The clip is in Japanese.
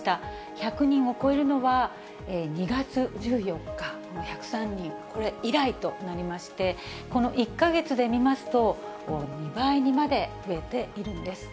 １００人を超えるのは２月１４日の１０３人、これ以来となりまして、この１か月で見ますと、２倍にまで増えているんです。